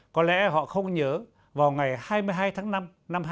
có lẽ họ không nhớ vào ngày hai mươi hai tháng năm năm hai nghìn hai mươi